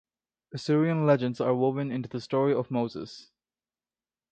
Assyrian legends are woven into the story of Moses.